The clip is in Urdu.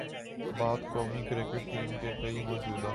بعد قومی کرکٹ ٹیم کے کئی موجودہ